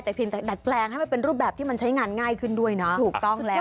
แต่เพียงดักแปลงให้มันเป็นรูปแบบที่มันใช้งานง่ายขึ้นด้วยนะ